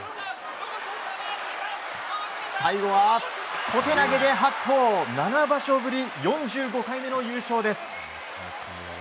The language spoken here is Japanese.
最後は小手投げで白鵬、７場所ぶり４５回目の優勝です。